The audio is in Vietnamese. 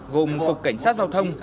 gồm cục cảnh sát giao thông